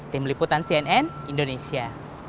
tim liputan cnn indonesia